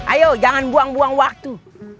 ayo jangan buang buang waktu